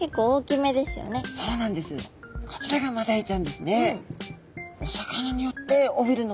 こちらがマダイちゃんですね。